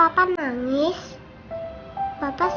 tempat yang mengerikan